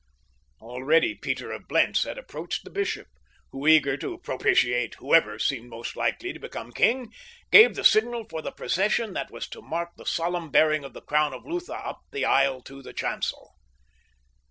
Already Peter of Blentz had approached the bishop, who, eager to propitiate whoever seemed most likely to become king, gave the signal for the procession that was to mark the solemn bearing of the crown of Lutha up the aisle to the chancel.